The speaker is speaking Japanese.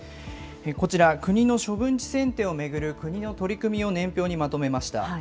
こちら、国の処分地選定を巡る国の取り組みを年表にまとめました。